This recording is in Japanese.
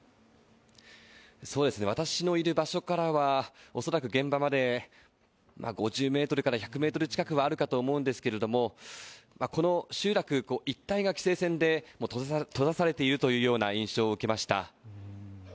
私のいる場所からは恐らく現場まで５０ｍから１００ｍ近くはあると思うんですけれども、この集落一体が規制線で閉ざされているというような印象を受けました。